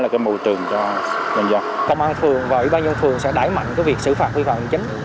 công an phường và ủy ban nhân phường sẽ đáy mạnh cái việc xử phạt vi phạm chính